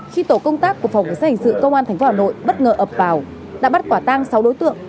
khi tổ công tác của phòng cảnh sát hình sự công an tp hà nội bất ngờ ập vào đã bắt quả tang sáu đối tượng